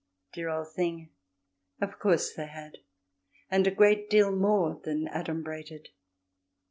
Dear old thing: of course they had and a great deal more than adumbrated.